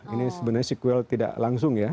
ini sebenarnya sequel tidak langsung ya